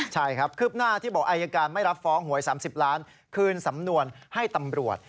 ใช่ครับคืบหน้าที่บอกอายการไม่รับฟ้องหวย๓๐ล้านคืนสำนวนให้ตำรวจ